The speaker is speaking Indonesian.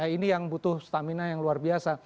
ini yang butuh stamina yang luar biasa